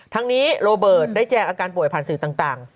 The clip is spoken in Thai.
ทั้งนี้โรเบิร์ตได้แจ้งอาการป่วยผ่านสื่อต่าง